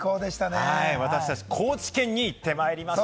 私達、高知県に行ってまいりましたよ。